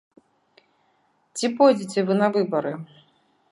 Ці пойдзеце вы на выбары?